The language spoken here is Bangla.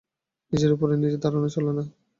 নিজের উপরে নিজে দাঁড়ানো চলে না।